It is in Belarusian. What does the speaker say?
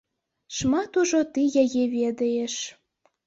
Шмат ужо ты яе ведаеш.